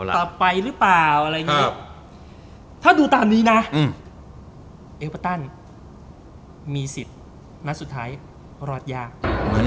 ต่อไปหรือเปล่าอะไรอย่างนี้ถ้าดูตามนี้นะเอลเปอร์ตันมีสิทธิ์นัดสุดท้ายรอดยาก